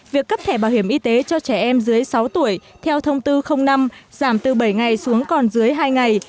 việc cấp thẻ bảo hiểm y tế cho trẻ em dưới sáu tuổi theo thông tư năm giảm từ bảy ngày xuống còn dưới hai ngày